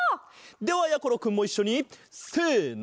ではやころくんもいっしょにせの。